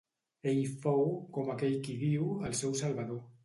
Ell fou, com aquell qui diu, el seu salvador.